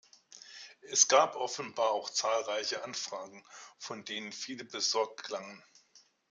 Es gab offenbar auch zahlreiche Anfragen, von denen viele besorgt klangen.